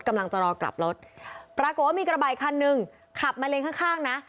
กำลังจะรอกลับรถปรากฏว่ามีกระบะคันหนึ่งขับมาเลนข้างข้างนะ